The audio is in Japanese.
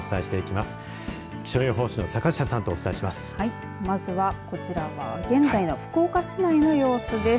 まずはこちら現在の福岡市内の様子です。